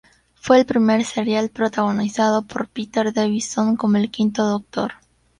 Fue el primer serial protagonizado por Peter Davison como el Quinto Doctor.